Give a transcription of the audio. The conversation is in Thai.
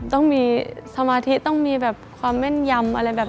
ต้องมีสมาธิต้องมีแบบความแม่นยำอะไรแบบนี้